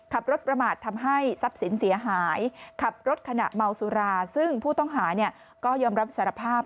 ขับรถประมาททำให้ทรัพย์สินเสียหายขับรถขณะเมาสุราซึ่งผู้ต้องหาก็ยอมรับสารภาพ